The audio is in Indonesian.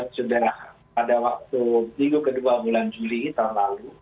sudah pada waktu minggu kedua bulan juli tahun lalu